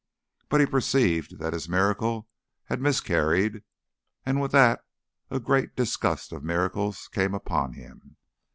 But he perceived that his miracle had miscarried, and with that a great disgust of miracles came upon him.